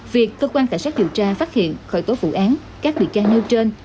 việc cơ quan cảnh sát điều tra phát hiện khởi tố vụ án các bị can nêu trên